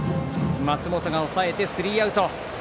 松本が押さえてスリーアウト。